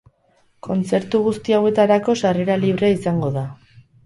Kontzertu guzti hauetarako sarrera librea izango da.